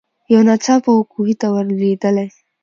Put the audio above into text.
یو ناڅاپه وو کوهي ته ور لوېدلې